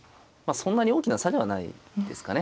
そんなに大きな差ではないですかね。